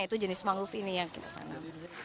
itu jenis mangrove ini yang kita tanam